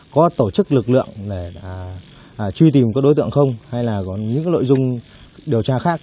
có tổ chức lực lượng để truy tìm các đối tượng không hay là có những nội dung điều tra khác